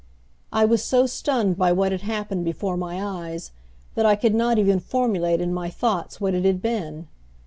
I was so stunned by what had happened before my eyes that I could not even formulate in my thoughts what it had been.